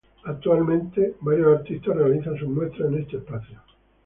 Actualmente, varios artistas realizan sus muestras en este espacio.